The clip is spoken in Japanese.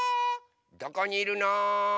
どこにいるの？